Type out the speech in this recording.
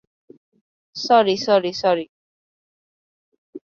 Sorry, sorry, sorry.